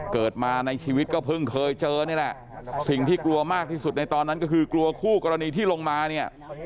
เกิดมาในชีวิตก็เพิ่งเคยเจอนี่แหละสิ่งที่กลัวมากที่สุดในตอนนั้นก็คือกลัวคู่กรณีที่ลงมาเนี่ย